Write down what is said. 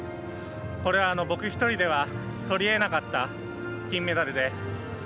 これは、僕１人ではとりえなかった金メダルで。